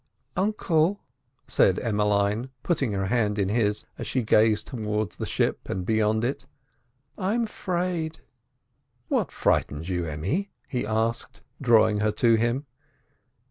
"Uncle," said Emmeline, putting her hand in his, as she gazed towards the ship and beyond it, "I'm 'fraid." "What frightens you, Emmy?" he asked, drawing her to him.